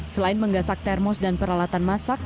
selain menggasak termos dan peralatan masak